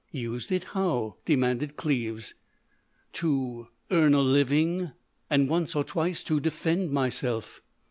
"Used it how?" demanded Cleves. "To—to earn a living.... And once or twice to defend myself."